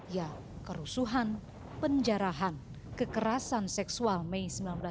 ya kerusuhan penjarahan kekerasan seksual mei